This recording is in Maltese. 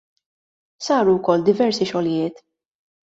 Saru wkoll diversi xogħlijiet.